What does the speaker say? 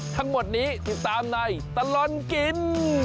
ทั้งหมดนี้ติดตามในตลอดกิน